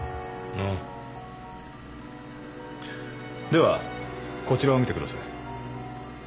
ではこちらを見てください。